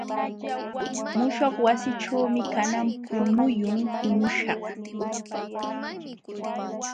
Muśhuq wasiićhuumi kanan muyun puñuśhaq.